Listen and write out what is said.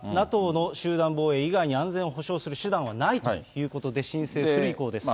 ＮＡＴＯの集団防衛以外に安全を保証する手段はないということで、申請する意向です。